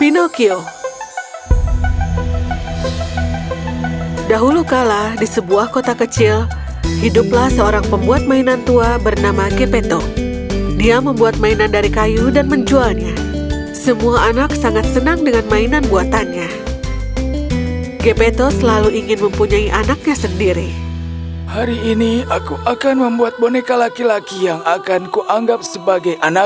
nunging bahasa indonesia